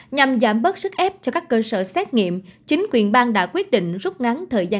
nhằm giảm bớt sức ép cho các cơ sở xét nghiệm chính quyền bang đã quyết định rút ngắn thời gian